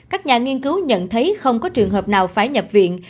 các nhà nghiên cứu nhận thấy không có trường hợp nào phải nhập viện